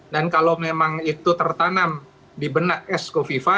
dan kalau memang itu tertanam di benak esko viva